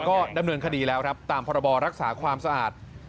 ก็ดำเนินคดีแล้วครับตามพรบรักษาความสะอาด